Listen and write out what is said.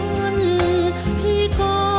จะใช้หรือไม่ใช้ครับ